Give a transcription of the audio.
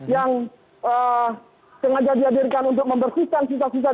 yang sengaja dihadirkan untuk membersihkan sisa sisa